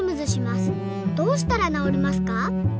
どうしたら治りますか？」